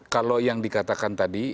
kalau yang dikatakan tadi